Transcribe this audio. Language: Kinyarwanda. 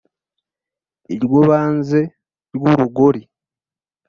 Iryo banze ry'urugori